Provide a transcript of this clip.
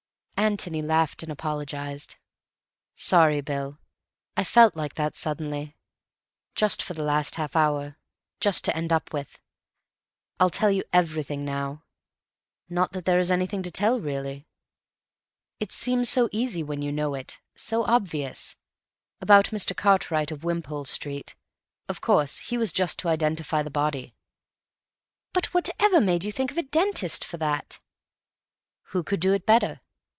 Antony laughed and apologized. "Sorry, Bill. I felt like that suddenly. Just for the last half hour; just to end up with. I'll tell you everything now. Not that there's anything to tell, really. It seems so easy when you know it—so obvious. About Mr. Cartwright of Wimpole Street. Of course he was just to identify the body." "But whatever made you think of a dentist for that?" "Who could do it better?